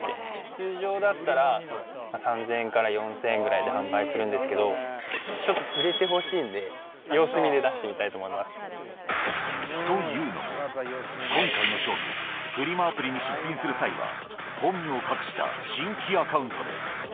通常だったら、３０００円から４０００円ぐらいで販売するんですけど、ちょっと売れてほしいんで、というのも、今回の勝負、フリマアプリに出品する際は、本名を隠した新規アカウントで。